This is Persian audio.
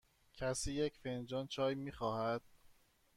کسی یک فنجان چای می خواهد؟